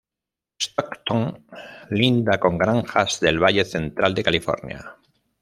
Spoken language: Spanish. Stockton linda con granjas del Valle Central de California.